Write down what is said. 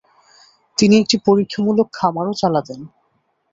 তিনি একটি পরীক্ষামূলক খামারও চালাতেন।